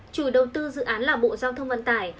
chủ đầu tư dự án là bộ giao thông vận tải